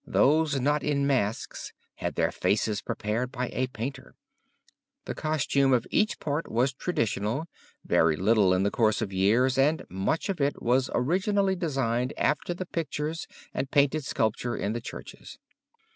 Those not in masks had their faces prepared by a painter. The costume of each part was traditional, varied little in the course of years, and much of it was originally designed after the pictures and painted sculpture in the churches.